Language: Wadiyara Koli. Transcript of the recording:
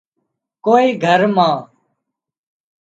ڪوئي گھر مان